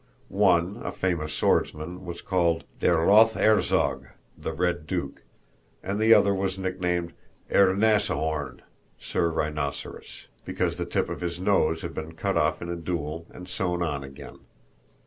One, a famous swordsman, was called Der Rothe Herzog (the Red Duke), and the other was nicknamed Herr Nasehorn (Sir Rhinoceros) because the tip of his nose had been cut off in a duel and sewn on again.